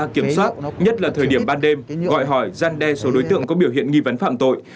kiểm soát nhất là thời điểm ban đêm gọi hỏi gian đe số đối tượng có biểu hiện nghi vấn phạm tội